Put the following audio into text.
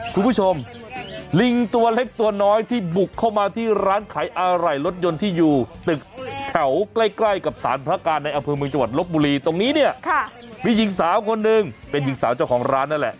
คุณผู้ชมลิงตัวเล็กตัวน้อยที่บุกเข้ามาที่ร้านขายอะไหล่รถยนต์ที่อยู่ตึกแถวใกล้ใกล้กับสารพระการในอำเภอเมืองจังหวัดลบบุรีตรงนี้เนี่ยมีหญิงสาวคนหนึ่งเป็นหญิงสาวเจ้าของร้านนั่นแหละ